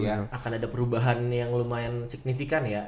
akan ada perubahan yang lumayan signifikan ya